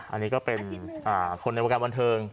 อันนี้ก็เป็นคนในวงการบันเทิง